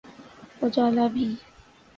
اجالا بھی۔